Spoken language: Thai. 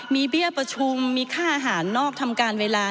มีเบี้ยประชุมมีค่าอาหารนอกทำการเวลา